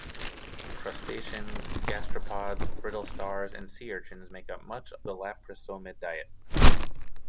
Crustaceans, gastropods, brittle stars, and sea urchins make up much of the labrisomid diet.